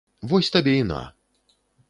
Вось табе і на!